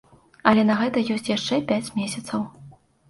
Але на гэта ёсць яшчэ пяць месяцаў.